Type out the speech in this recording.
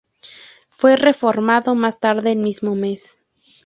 Fue reformado más tarde el mismo mes.